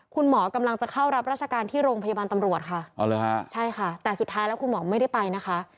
คุณหมอกำลังจะเข้ารับราชการที่โรงพยาบาลตำรวจค่ะใช่ค่ะแต่สุดท้ายแล้วคุณหมอไม่ได้ไปนะคะ